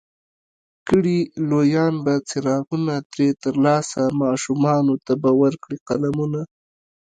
کړي لویان به څراغونه ترې ترلاسه، ماشومانو ته به ورکړي قلمونه